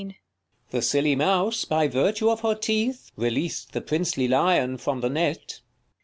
King. The silly mouse, by virtue of her teeth, Releas'd the princely lion from the net.